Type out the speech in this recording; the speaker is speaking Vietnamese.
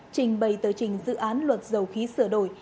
trình bày tờ trình dự án luật dầu khí sửa đổi